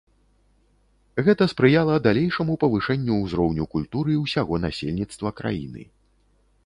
Гэта спрыяла далейшаму павышэнню ўзроўню культуры ўсяго насельніцтва краіны.